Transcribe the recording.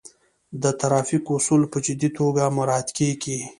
د ترافیک اصول په جدي توګه مراعات کیږي.